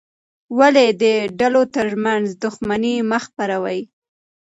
ولې د ډلو ترمنځ دښمني مه خپروې؟